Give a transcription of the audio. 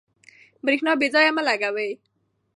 برېښنا بې ځایه مه لګوئ.